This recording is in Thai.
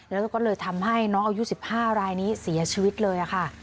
แล้วก็เลยทำให้น้องอายุ๑๕รายนี้เสียชีวิตเลยค่ะ